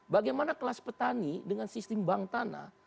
bagaimana kelas petani dengan sistem bank tanah